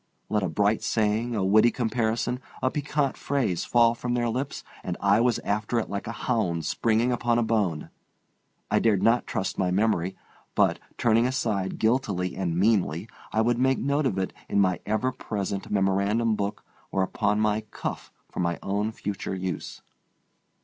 Let a bright saying, a witty comparison, a piquant phrase fall from their lips and I was after it like a hound springing upon a bone. I dared not trust my memory; but, turning aside guiltily and meanly, I would make a note of it in my ever present memorandum book or upon my cuff for my own future use.